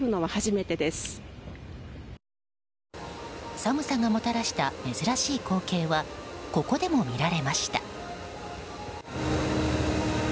寒さがもたらした珍しい光景はここでも見られました。